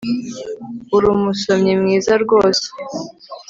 Urumusomyi mwiza rwose